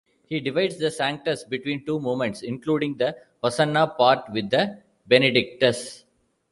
He divides the Sanctus between two movements, including the Hosanna part with the Benedictus.